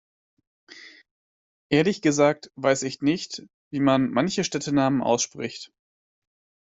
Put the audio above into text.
Ehrlich gesagt weiß ich nicht wie man manche Städtenamen ausspricht.